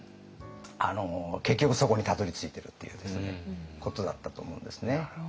結局そこにたどりついてるっていうことだったと思うんですね。